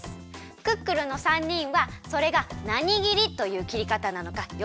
クックルンの３にんはそれがなに切りという切りかたなのかよ